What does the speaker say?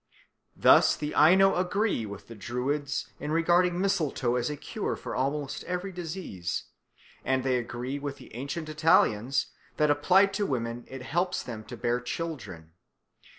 Thus the Aino agree with the Druids in regarding mistletoe as a cure for almost every disease, and they agree with the ancient Italians that applied to women it helps them to bear children.